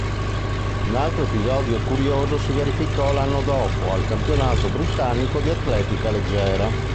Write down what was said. Un altro episodio curioso si verificò l'anno dopo, al campionato britannico di atletica leggera.